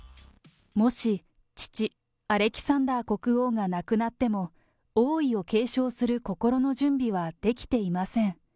もし、父、アレキサンダー国王が亡くなっても、王位を継承する心の準備はできていません。